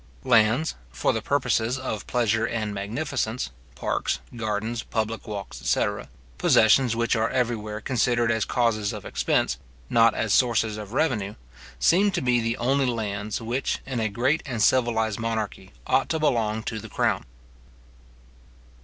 Lands, for the purposes of pleasure and magnificence, parks, gardens, public walks, etc. possessions which are everywhere considered as causes of expense, not as sources of revenue, seem to be the only lands which, in a great and civilized monarchy, ought to belong to the crown.